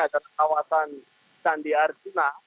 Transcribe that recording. ada kawasan sandi arjuna